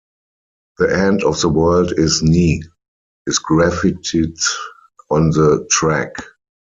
"The end of the world is nigh" is graffitied on the track.